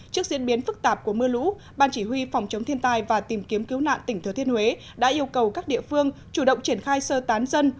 trước diễn biến phức tạp của mưa lũ ban chỉ huy phòng chống thiên tai và tìm kiếm cứu nạn tỉnh thừa thiên huế đã yêu cầu các địa phương chủ động triển khai sơ tán dân